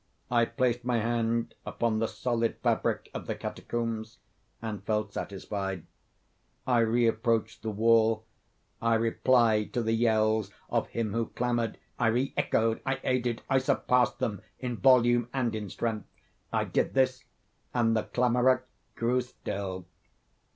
I placed my hand upon the solid fabric of the catacombs, and felt satisfied. I reapproached the wall. I replied to the yells of him who clamored. I re echoed—I aided—I surpassed them in volume and in strength. I did this, and the clamorer grew still.